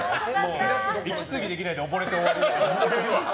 息継ぎできないで溺れて終わり。